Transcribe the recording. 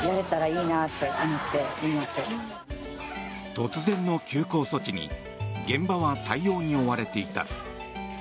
突然の休校措置に現場は対応に追われていた。